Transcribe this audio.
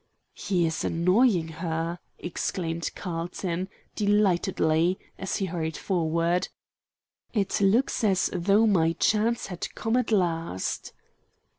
"He is annoying her!" exclaimed Carlton, delightedly, as he hurried forward. "It looks as though my chance had come at last."